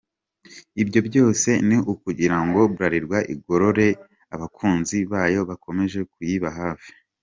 Ibyo byose ni ukugira ngo Bralirwa igororere abakunzi bayo bakomeje kuyiba hafi.